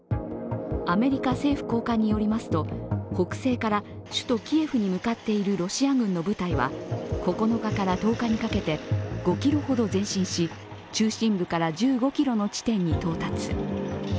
アメリカ政府高官によりますと、北西から首都キエフに向かっているロシア軍の部隊は９日から１０日にかけて５ｋｍほど前進し中心部から１５ｋｍの地点に到達。